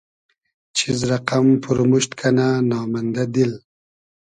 چیز رئقئم پورموشت کئنۂ نامئندۂ دیل